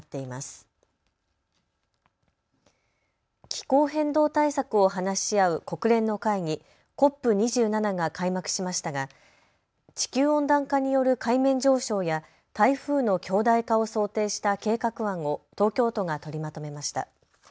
気候変動対策を話し合う国連の会議、ＣＯＰ２７が開幕しましたが地球温暖化による海面上昇や台風の強大化を想定した計画案を東京都が取りまとめました。